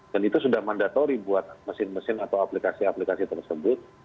dan itu sudah mandatori buat mesin mesin atau aplikasi aplikasi tersebut